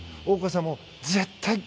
大越さんも、絶対。